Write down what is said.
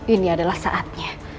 ini adalah saatnya